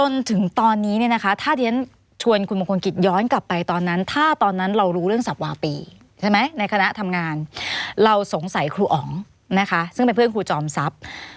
ซึ่งเป็นเพื่อนครูจอมทรัพย์